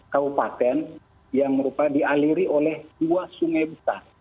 kabupaten yang merupakan dialiri oleh dua sungai besar